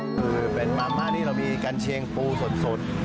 คือเป็นมาม่าที่เรามีกัญเชียงปูสด